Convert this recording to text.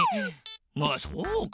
ああそうか。